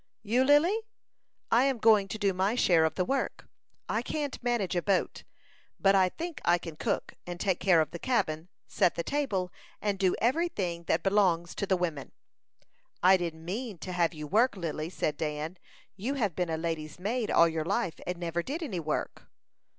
"You, Lily?" "I am going to do my share of the work. I can't manage a boat, but I think I can cook, and take care of the cabin, set the table, and do every thing that belongs to the women." "I didn't mean to have you work, Lily," said Dan. "You have been a lady's maid all your life, and never did any work."